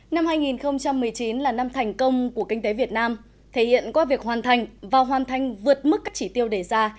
năm hai nghìn một mươi chín là năm thành công của kinh tế việt nam thể hiện qua việc hoàn thành và hoàn thành vượt mức các chỉ tiêu đề ra